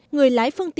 người lái phương trình